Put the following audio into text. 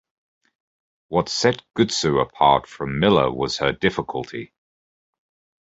What set Gutsu apart from Miller was her difficulty.